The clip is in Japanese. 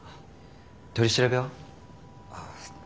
取り調べは？